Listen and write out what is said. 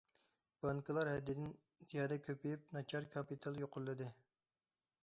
بانكىلار ھەددىدىن زىيادە كۆپىيىپ، ناچار كاپىتال يۇقىرىلىدى.